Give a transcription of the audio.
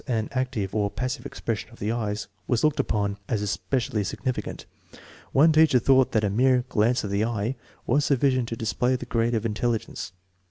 An "active" or " passive " expression of the eyes was looked upon as es pecially significant. One teacher thought that a mere " glance of the eye " was sufficient to display the grade of intelligence.